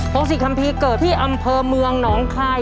งศิษคัมภีร์เกิดที่อำเภอเมืองหนองคาย